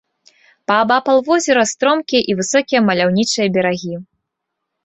Паабапал возера стромкія і высокія маляўнічыя берагі.